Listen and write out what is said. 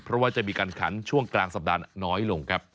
เพราะว่าจะมีการขันช่วงกลางสัปดาห์น้อยลงครับ